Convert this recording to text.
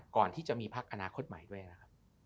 ก่อนที่จะมีพักอนาคตใหม่ด้วยนะครับ